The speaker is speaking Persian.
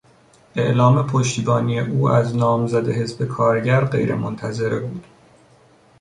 اعلام پشتیبانی او از نامزد حزب کارگر غیر منتظره بود.